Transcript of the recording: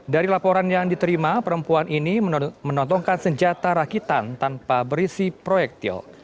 dari laporan yang diterima perempuan ini menotongkan senjata rakitan tanpa berisi proyektil